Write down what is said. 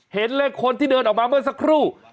เห็นเลยคนที่เดินออกมาเมื่อสักครู่